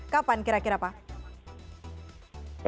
kapan kira kira pak